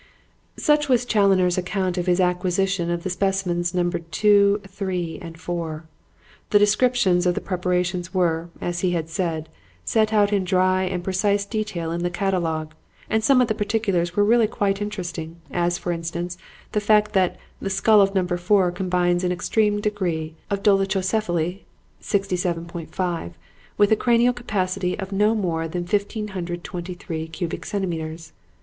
Such was Challoner's account of his acquisition of the specimens numbered 2, 3 and 4. The descriptions of the preparations were, as he had said, set out in dry and precise detail in the catalogue, and some of the particulars were really quite interesting, as, for instance, the fact that "the skull of Number 4 combines an extreme degree of dolichocephaly (67.5) with a cranial capacity of no more than 1523 cubic centimeters."